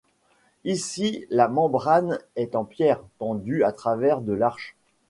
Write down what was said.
Ici la membrane est en pierre, tendue en travers de l'arche.